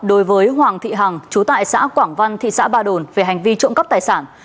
đối với hoàng thị hằng chú tại xã quảng văn thị xã ba đồn về hành vi trộm cắp tài sản